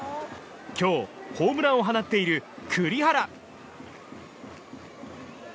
今日、ホームランを放っている栗原。